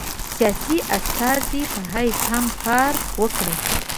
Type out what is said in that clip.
سیاسي استازي په حیث هم کار وکړي.